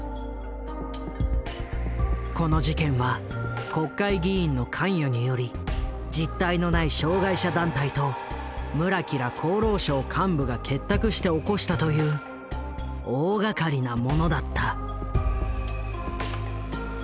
この事件は国会議員の関与により実体のない障害者団体と村木ら厚労省幹部が結託して起こしたという大がかりなものだった。